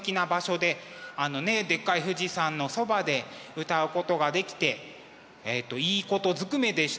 あのねでっかい富士山のそばで歌うことができていいことずくめでした。